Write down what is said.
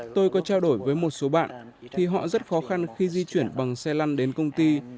tôi có trao đổi với một số bạn thì họ rất khó khăn khi di chuyển bằng xe lăn đến công ty